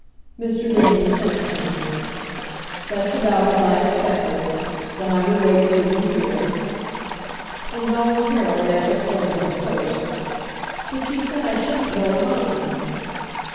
Mr. Dingley turned to me. "That's about as I expected. Then I will wait for you here." Involuntarily I took hold of his coat, "But you said I shouldn't go alone!"